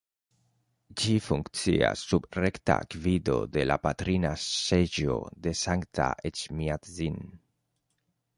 Ĝi funkcias sub rekta gvido de la Patrina Seĝo de Sankta Eĉmiadzin.